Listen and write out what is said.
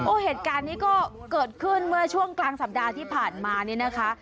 เหตุการณ์นี้ก็เกิดขึ้นเมื่อช่วงกลางสัปดาห์ที่ผ่านมานี่นะคะ